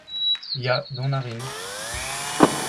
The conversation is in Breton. ya, dont a rin.